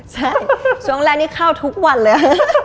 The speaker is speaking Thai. ใช่ช่วงแรกนี้เข้าทุกวันเลย